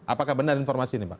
apakah benar informasi ini pak